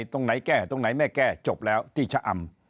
ตรงไหนแก้ตรงไหนไม่แก้จบแล้วที่ชะอำ